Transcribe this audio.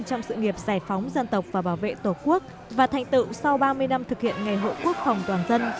trong sự nghiệp giải phóng dân tộc và bảo vệ tổ quốc và thành tựu sau ba mươi năm thực hiện ngày hội quốc phòng toàn dân